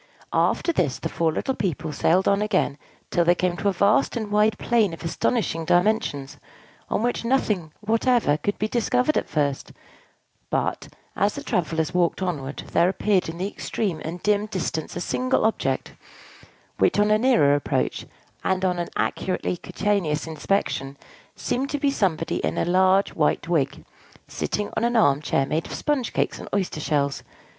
After this, the four little people sailed on again till they came to a vast and wide plain of astonishing dimensions, on which nothing whatever could be discovered at first; but, as the travellers walked onward, there appeared in the extreme and dim distance a single object, which on a nearer approach, and on an accurately cutaneous inspection, seemed to be somebody in a large white wig, sitting on an arm chair made of sponge cakes and oyster shells.